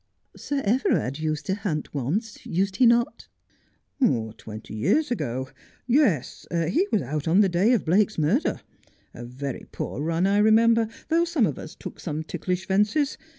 ' Sir Everard used to hunt once, used he not ?'' Twenty years ago. Yes, he was out on the day of Blake's murder. A very poor run, I remember, though some of us took some ticklish fences.